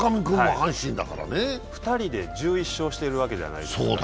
２人で１１勝してるわけじゃないですか。